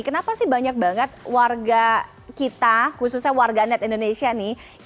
kenapa sih banyak banget warga kita khususnya warga net indonesia nih